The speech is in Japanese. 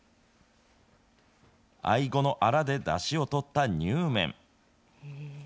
アイゴのあらでだしをとったにゅー麺。